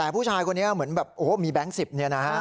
แต่ผู้ชายคนนี้เหมือนแบบโอ้โหมีแบงค์๑๐เนี่ยนะฮะ